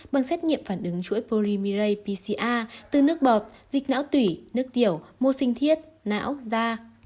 bằng xét nghiệm phản ứng chuỗi polymiray pcr từ nước bọt dịch não tủy nước tiểu mô sinh thiết não da